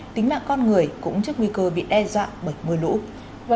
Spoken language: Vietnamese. tính mạng con người cũng trước nguy cơ bị đe dọa bởi mưa lũ